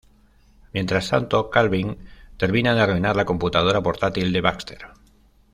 Mientras tanto Calvin termina de arruinar la computadora portátil de Baxter.